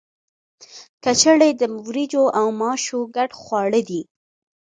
کچړي د وریجو او ماشو ګډ خواړه دي.